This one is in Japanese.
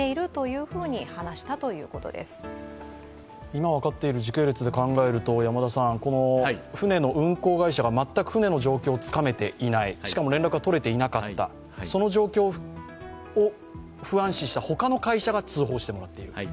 今分かっている時系列で考えると、船の運航会社が全く船の状況をつかめていない、しかも連絡が取れていなかった、その状況を不安視した他の会社が通報してもらっている。